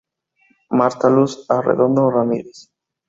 Martha Luz Arredondo Ramírez.